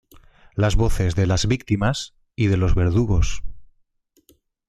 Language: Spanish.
Las voces de las víctimas y de los verdugos".